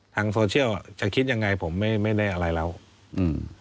ทางโซเชียลอ่ะจะคิดยังไงผมไม่ไม่ได้อะไรแล้วอืม